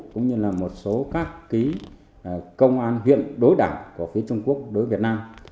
cũng như là một số các công an huyện đối đảng của phía trung quốc đối với việt nam